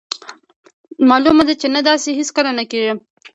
مالومه ده چې نه داسې هیڅکله نه کیږي.